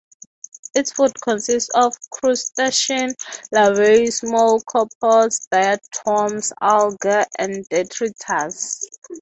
Its food consists of crustacean larvae, small copepods, diatoms, algae and detritus.